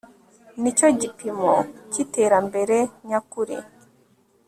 ni cyo gipimo cy'iterambere nyakuri